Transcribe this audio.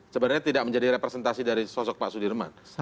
sebenarnya tidak menjadi representasi dari sosok pak sudirman